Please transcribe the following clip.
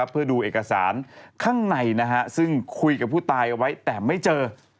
เพื่อดูเอกสารข้างในซึ่งคุยกับผู้ตายเอาไว้แต่ไม่เจอ